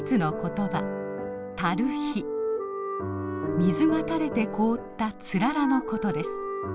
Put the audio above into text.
水が垂れて凍ったつららのことです。